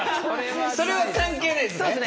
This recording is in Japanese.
それは関係ないですね？